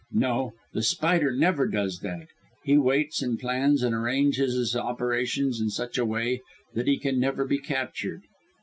No, The Spider never does that. He waits and plans and arranges his operations in such a way that he can never be captured.